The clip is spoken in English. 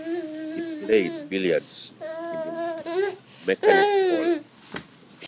He played billiards in the Mechanics’ Hall.